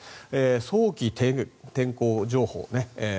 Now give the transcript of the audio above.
早期天候情報。